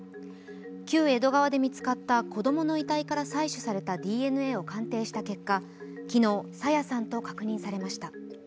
旧江戸川で見つかった子どもの遺体から採取されたＤＮＡを鑑定した結果昨日、朝芽さんと確認されました。